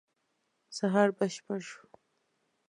سهار بشپړ شو.